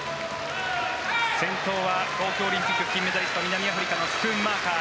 先頭は東京オリンピック金メダリスト、南アフリカのスクンマーカー。